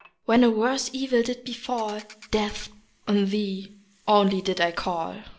When a worse evil did befall, Death, on thee only did I call.